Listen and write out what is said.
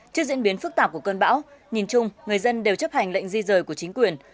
trước diễn biến phức tạp của cơn bão nhìn chung người dân đều chấp hành lệnh di rời của chính quyền